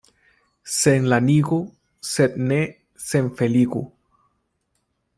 Senlanigu, sed ne senfeligu.